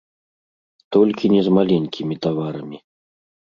Толькі не з маленькімі таварамі.